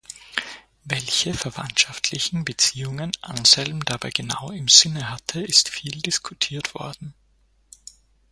Welche verwandtschaftlichen Beziehungen Anselm dabei genau im Sinne hatte ist viel diskutiert worden.